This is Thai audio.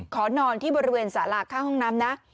ขอนอนที่บริเวณสาราข้างห้องน้ำนะ